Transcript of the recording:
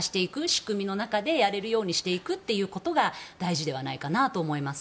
仕組みの中でやれるようにしていくことが大事ではないかなと思います。